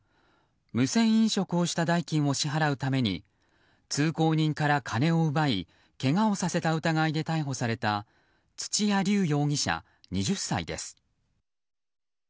無銭飲食をした代金を支払うために通行人から金を奪いけがをさせた疑いで逮捕された土屋龍生容疑者、２０歳です。